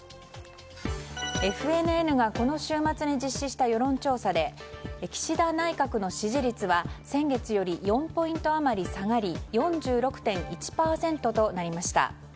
ＦＮＮがこの週末に実施した世論調査で岸田内閣の支持率は先月より４ポイント余り下がり４６．１％となりました。